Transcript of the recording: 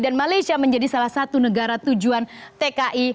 dan malaysia menjadi salah satu negara tujuan tki